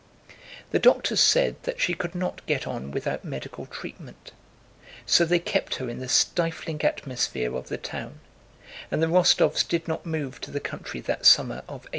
The doctors said that she could not get on without medical treatment, so they kept her in the stifling atmosphere of the town, and the Rostóvs did not move to the country that summer of 1812.